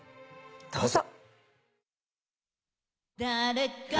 どうぞ。